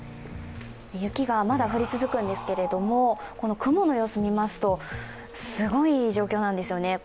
雪がまだ降り続くんですけども、この雲の様子を見ますと、すごい状況なんですよね。